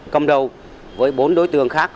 công đầu với bốn đối tượng khác